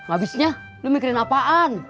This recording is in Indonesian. abisnya lu mikirin apaan